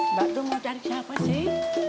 mbak tuh mau cari siapa sih